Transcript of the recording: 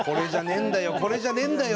「これじゃねえんだよ